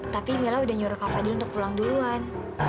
tapi mila udah nyuruh kak fadil untuk pulang duluan